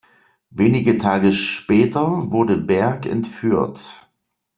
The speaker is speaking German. Wenige Tage später wurde Berg entführt.